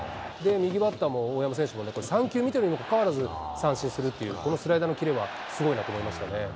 右バッターも、大山選手も、３球見てるにもかかわらず三振するっていう、このスライダーの切れはすごいなと思いましたね。